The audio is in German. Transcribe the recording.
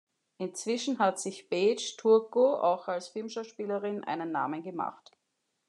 Inzwischen hat sich Paige Turco auch als Filmschauspielerin einen Namen gemacht.